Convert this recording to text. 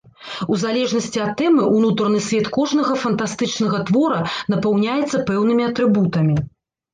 У залежнасці ад тэмы ўнутраны свет кожнага фантастычнага твора напаўняецца пэўнымі атрыбутамі.